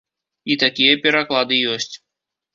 І такія пераклады ёсць.